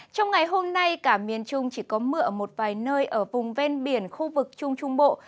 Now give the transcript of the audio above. trong ngày hôm nay cả miền trung chỉ có mưa ở một vài nơi ở vùng ven biển khu vực trung trung bộ